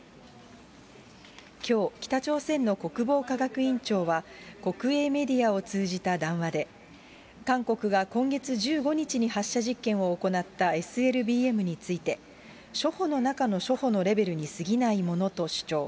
きょう、北朝鮮の国防科学院長は国営メディアを通じた談話で、韓国が今月１５日に発射実験を行ったＳＬＢＭについて、初歩の中の初歩のレベルにすぎないものと主張。